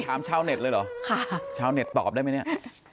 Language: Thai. ชาวเน็ตเลยเหรอชาวเน็ตตอบได้ไหมเนี่ย